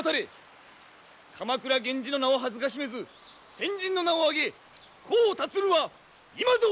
鎌倉源氏の名を辱めず先陣の名を上げ功を立つるは今ぞ！